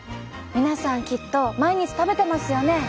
皆さんきっと毎日食べてますよね。